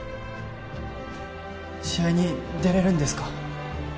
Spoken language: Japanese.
試合に出れるんですか？